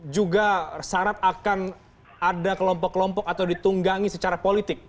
juga syarat akan ada kelompok kelompok atau ditunggangi secara politik